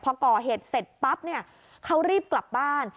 พอก่อเหตุเสร็จปั๊บเนี่ยเขารีบกลับบ้าน